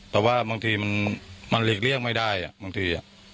แต่ว่าบางทีมันมันหลีกเลี่ยงไม่ได้อ่ะบางทีอ่ะ